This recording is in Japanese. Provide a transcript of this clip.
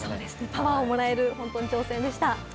パワーをもらえる挑戦でした。